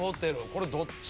これどっち？